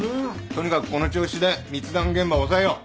とにかくこの調子で密談現場押さえよう。